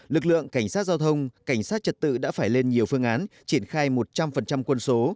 lực lượng cảnh sát giao thông cảnh sát trật tự đã phải lên nhiều phương án triển khai một trăm linh quân số